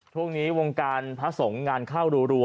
ช่วงนี้วงการพระสงฆ์งานเข้ารัว